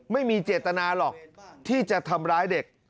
ไม่มีเจตนาหรอกที่จะทำร้ายเด็ก